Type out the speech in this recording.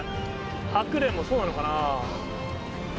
ハクレンもそうなのかな。